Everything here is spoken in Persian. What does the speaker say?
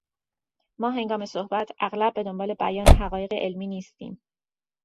ما هنگام صحبت، اغلب به دنبال بیان حقایق علمی نیستیم.